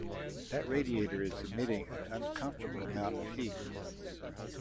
That radiator is emitting an uncomfortable amount of heat.